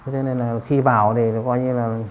thế nên là khi vào thì nó coi như là